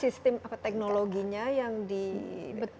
sistem teknologinya yang ditingkatkan